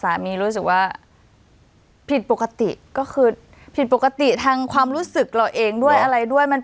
รู้สึกว่าผิดปกติก็คือผิดปกติทางความรู้สึกเราเองด้วยอะไรด้วย